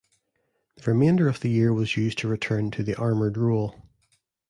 The remainder of the year was used to return to the armoured role.